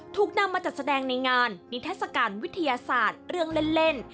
ถูกนำมาจัดแสดงในงานนิทัศกาลวิทยาศาสตร์เรื่องเล่น